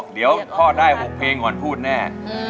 เดี๋ยวทอดได้๖เพลงก่อนพูดแน่